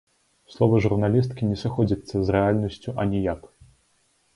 Словы журналісткі не сыходзяцца з рэальнасцю аніяк.